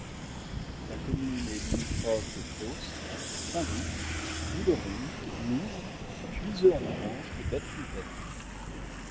La commune est limitrophe de Fosses, Saint-Witz, Villeron, Louvres, Puiseux-en-France et Bellefontaine.